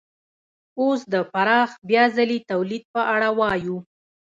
اوس د پراخ بیا ځلي تولید په اړه وایو